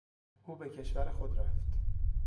او به کشور خود رفت.